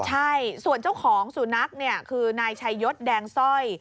ใช่ส่วนเจ้าของสุนัขเนี่ยคือนายชัยยศแดงสร้อย